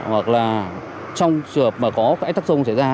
hoặc là trong trường hợp mà có ánh tắc sông xảy ra